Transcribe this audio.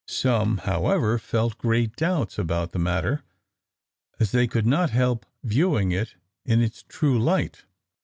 Some, however, felt great doubts about the matter, as they could not help viewing it in its true light.